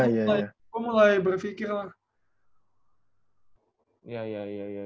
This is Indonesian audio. itu gue mulai berpikir lah